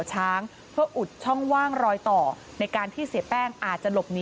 ช้างเพื่ออุดช่องว่างรอยต่อในการที่เสียแป้งอาจจะหลบหนี